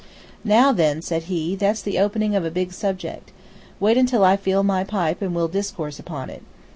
"Now then," said he, "that's the opening of a big subject. Wait until I fill my pipe and we'll discourse upon it."